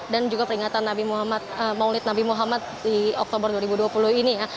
dan juga peringatan maulid nabi muhammad di oktober dua ribu dua puluh ini